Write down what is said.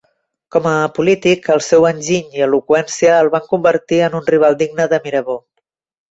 Com a polític, el seu enginy i eloqüència el van convertir en un rival digne de Mirabeau.